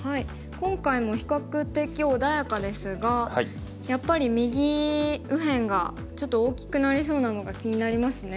今回も比較的穏やかですがやっぱり右辺がちょっと大きくなりそうなのが気になりますね。